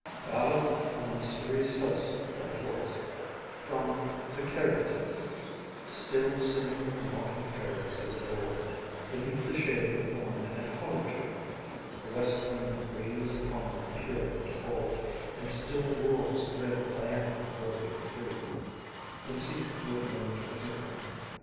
BALLADE ON THE MYSTERIOUS HOSTS OF THE FOREST From 'The Caryatids' Still sing the mocking fairies, as of old, Beneath the shade of thorn and holly tree; The west wind breathes upon them pure and cold, And still wolves dread Diana roving free, In secret woodland with her company.